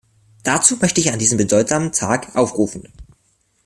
Dazu möchte ich an diesem bedeutsamen Tag aufrufen.